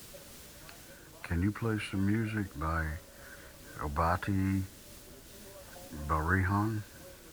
Can you play some music by Abatte Barihun?